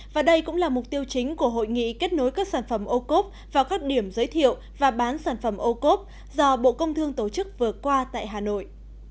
và đây cũng là mục tiêu chính của hội nghị kết nối các sản phẩm ô cốp vào các điểm giới thiệu và bán sản phẩm ô cốp do bộ công thương tổ chức vừa qua tại hà nội